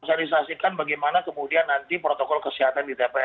sosialisasikan bagaimana kemudian nanti protokol kesehatan di tps